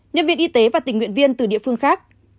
nhân viên y tế và tình nguyện viên từ địa phương khác